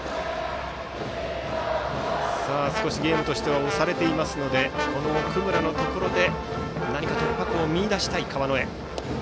少しゲームとしては押されていますので奥村のところで何か突破口を見いだしたい川之江。